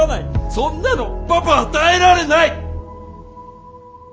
そんなのパパは耐えられない！！